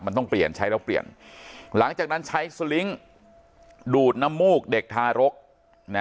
มันต้องเปลี่ยนใช้แล้วเปลี่ยนหลังจากนั้นใช้สลิงค์ดูดน้ำมูกเด็กทารกนะ